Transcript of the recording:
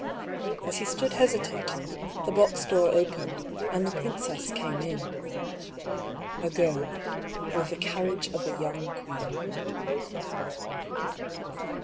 As he stood hesitating, the box door opened, and the princess came in. A girl, with the carriage of a young queen.